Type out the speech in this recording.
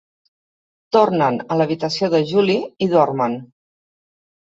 Tornen a l'habitació de Julie i dormen.